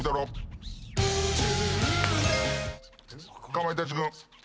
かまいたち軍。